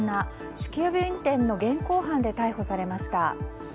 酒気帯び運転の現行犯で逮捕されました。